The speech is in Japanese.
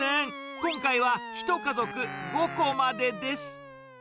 今回はひと家族５個までです。